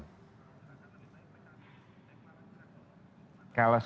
tetapi sementara deklarasi dukungan kepada pak jokowi belum dilakukan